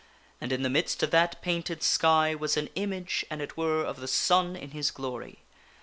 And in the midst of that painted sky was an image, an it were, of the sun in his glory.